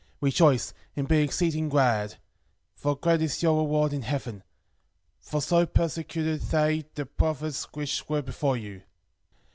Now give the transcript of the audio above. Rejoice, and be exceeding glad; for great is your reward in heaven: For so persecuted they the prophets which were before you.